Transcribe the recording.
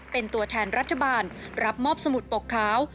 เป็นตัวแทนรัฐบาลรับมอบสมุดปกขาว